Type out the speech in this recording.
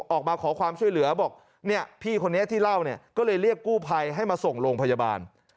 ออกมาขอความช่วยเหลือบอกเนี่ยพี่คนนี้ที่เล่าเนี่ยก็เลยเรียกกู้ภัยให้มาส่งโรงพยาบาล